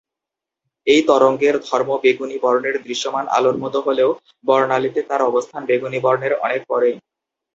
এই তরঙ্গের ধর্ম বেগুনি বর্ণের দৃশ্যমান আলোর মতো হলেও বর্ণালীতে তার অবস্থান বেগুনি বর্ণের অনেক পরে।